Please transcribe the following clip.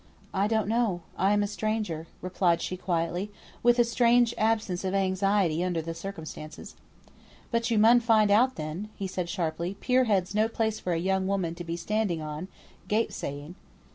"I don't know. I'm a stranger," replied she, quietly, with a strange absence of anxiety under the circumstances. "But you mun find out then," said he, sharply, "pier head's no place for a young woman to be standing on, gape saying."